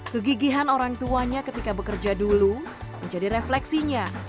kegigihan orang tuanya ketika bekerja dulu menjadi refleksinya